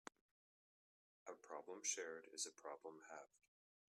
A problem shared is a problem halved.